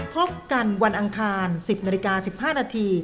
พบกันวันอังคาร๑๐น๑๕น